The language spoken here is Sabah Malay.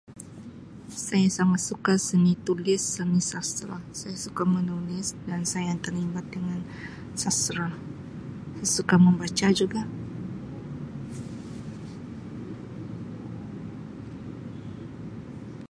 Saya sangat suka seni tulis, seni sastera, saya suka menulis dan saya terlibat dengan sastera, saya suka membaca juga.